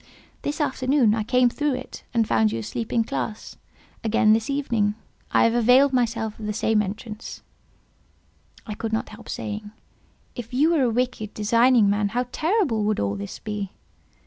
This afternoon I came through it, and found you asleep in classe; again this evening I have availed myself of the same entrance." I could not help saying, "If you were a wicked, designing man, how terrible would all this be!"